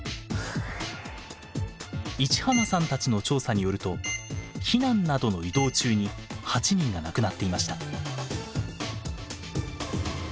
市花さんたちの調査によると避難などの移動中に８人が亡くなっていました。